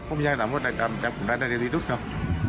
ผมอย่าให้ตามว่าจำผมได้ได้ที่สุดครับ